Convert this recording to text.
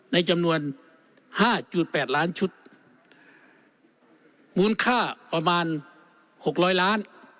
ในจำนวนห้าจูดแปดล้านชุดมูลค่าประมาณหกร้อยล้าน